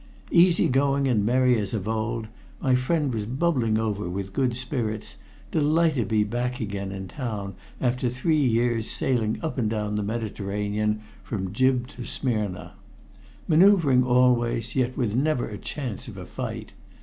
Easy going and merry as of old, my friend was bubbling over with good spirits, delighted to be back again in town after three years sailing up and down the Mediterranean, from Gib. to Smyrna, maneuvering always, yet with never a chance of a fight.